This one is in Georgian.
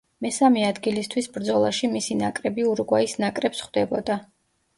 მესამე ადგილისთვის ბრძოლაში მისი ნაკრები ურუგვაის ნაკრებს ხვდებოდა.